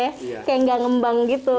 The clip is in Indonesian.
seperti tidak mengembang